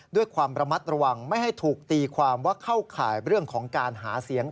ด้วยความระมัดระวังไม่ให้ถูกตีความว่าเข้าข่ายเรื่องของการหาเสียง